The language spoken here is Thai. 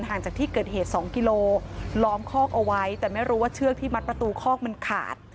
จากที่เกิดเหตุ๒กิโลล้อมคอกเอาไว้แต่ไม่รู้ว่าเชือกที่มัดประตูคอกมันขาด